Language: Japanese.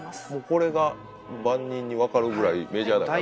これが万人に分かるぐらいメジャーだから。